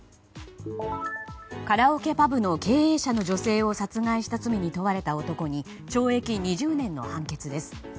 カラオケパブの経営者の女性を殺害した罪に問われた男に懲役２０年の判決です。